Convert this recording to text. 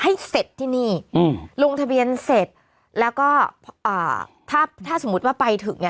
ให้เสร็จที่นี่อืมลงทะเบียนเสร็จแล้วก็อ่าถ้าถ้าสมมุติว่าไปถึงเนี้ย